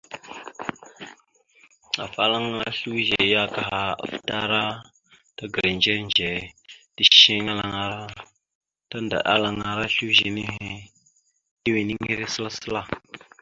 Afalaŋana slʉze ya kaha afətaràma tagəra ndzir ndzir ticeliŋalara tandaɗalalaŋara slʉze nehe tiweniŋire səla səla.